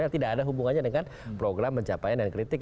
tidak ada hubungannya dengan program pencapaian dan kritik